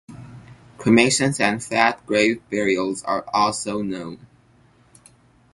Cremations and flat grave burials are also known.